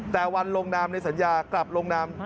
แต่วันลงนามในสัญญากลับลงนาม